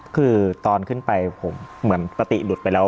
คือตอนขึ้นไปผมเหมือนสติหลุดไปแล้ว